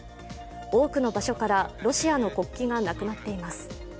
多くの場所からロシアの国旗がなくなっています。